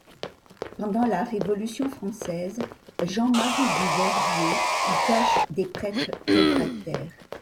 Pendant la Révolution française, Jean-Marie du Vergier y cache des prêtres réfractaires.